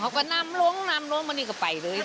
ก็นั้งนับล้งนับล้งเค้นนี่ก็ไปเลยเซอ